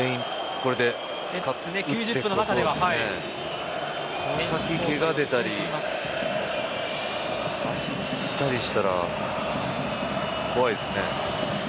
このあと、けが人が出たり足つったりしたら怖いですね。